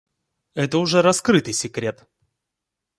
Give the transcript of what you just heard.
Это уже раскрытый секрет.